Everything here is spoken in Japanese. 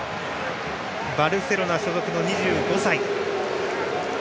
バルセロナ所属の２５歳。